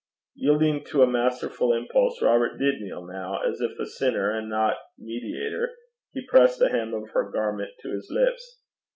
Yielding to a masterful impulse, Robert did kneel now. As if sinner, and not mediator, he pressed the hem of her garment to his lips.